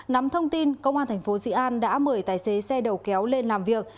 nắm thông tin công an thành phố sĩ an đã mời tài xế xe đầu kéo lên làm việc